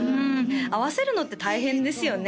合わせるのって大変ですよね